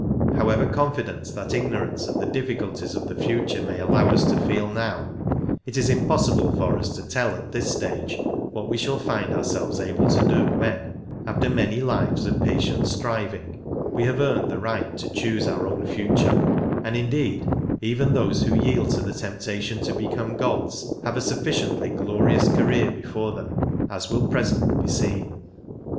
However confident that ignorance of the difficulties of the future may allow us to feel now, it is impossible for us to tell at this stage what we shall find our selves able to do when, after many lives of patient striving, we have earned the right to choose our own future ; and 63 indeed, even those who yield to the temptation to become gods," have a sufficiently glorious career before them, as will presently be seen.